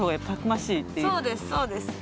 そうですそうです。